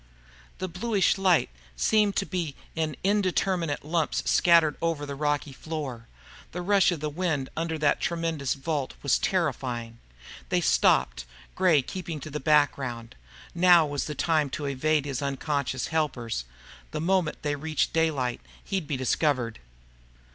The bluish light seemed to be in indeterminate lumps scattered over the rocky floor. The rush of the wind under that tremendous vault was terrifying. They stopped, Gray keeping to the background. Now was the time to evade his unconscious helpers. The moment they reached daylight, he'd be discovered.